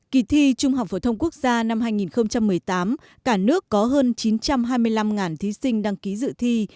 kỳ thi trung học phổ thông quốc gia năm hai nghìn một mươi tám cả nước có hơn chín trăm hai mươi năm thí sinh đăng ký dự thi